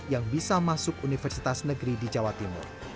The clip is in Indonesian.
yang bisa masuk universitas negeri di jawa timur